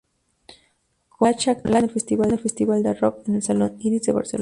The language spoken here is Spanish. Con Remolacha actuó en el "Festival de Rock", en el "Salón Iris" de Barcelona.